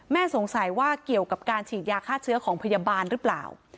สงสัยว่าเกี่ยวกับการฉีดยาฆ่าเชื้อของพยาบาลหรือเปล่า